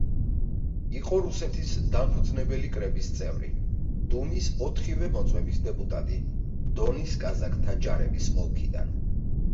იყო რუსეთის დამფუძნებელი კრების წევრი, დუმის ოთხივე მოწვევის დეპუტატი დონის კაზაკთა ჯარების ოლქიდან.